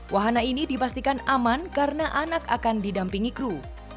wahana ini dipastikan aman karena anak akan didampingi kru